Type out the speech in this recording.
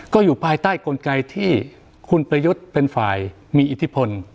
ก็อยู่ภายใต้กลไกที่คุณประยุทธ์เป็นฝ่ายมีอิทธิพล